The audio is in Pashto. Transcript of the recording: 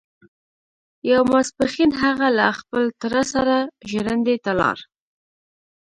يو ماسپښين هغه له خپل تره سره ژرندې ته لاړ.